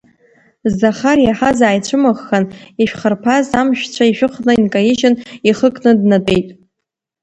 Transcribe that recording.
Захар иаҳаз ааицәымыӷхан, ишәхарԥаз амшәцәа ишәыхны инкаижьын, ихы кны днатәеит.